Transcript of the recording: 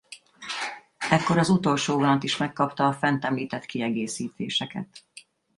Ekkor az utolsó vonat is megkapta a fent említett kiegészítéseket.